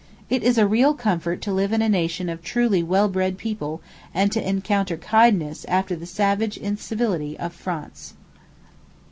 It is a real comfort to live in a nation of truly well bred people and to encounter kindness after the savage incivility of France.